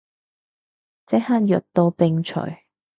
即刻藥到病除